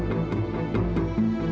dia terus tumpang